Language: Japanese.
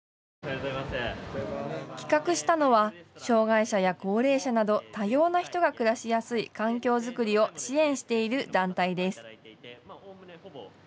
企画したのは障害者や高齢者など多様な人が暮らしやすい環境作りを支援している団体です。